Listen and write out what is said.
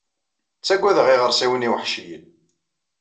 Ttagadeɣ iɣersiwen iweḥciyen.